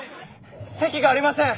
席がありません。